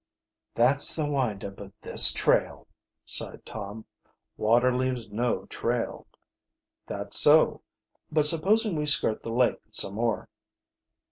"That's the wind up of this trail," sighed Tom. "Water leaves no trail." "That's so. But supposing we skirt the lake some more."